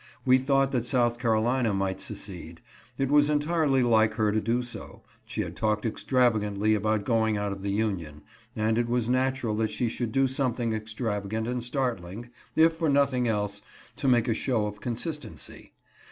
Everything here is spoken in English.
We thought that South Carolina might secede. It was entirely like her to do so. She had talked extrav agantly about going out of the Union, and it was natural that she should do something extravagant and startling, if for nothing else, to make a show of consistency.